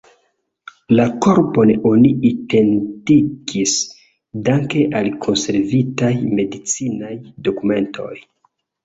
La korpon oni identigis danke al konservitaj medicinaj dokumentoj.